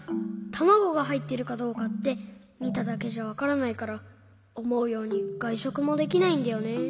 たまごがはいってるかどうかってみただけじゃわからないからおもうようにがいしょくもできないんだよね。